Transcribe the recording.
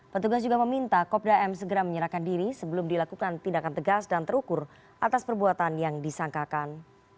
petugas juga meminta kopda m segera menyerahkan diri sebelum dilakukan tindakan tegas dan terukur atas perbuatan yang disangkakan